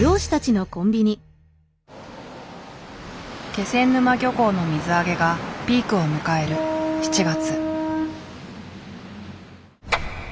気仙沼漁港の水揚げがピークを迎える７月。